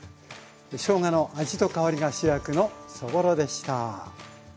しょうがの味と香りが主役のそぼろでした。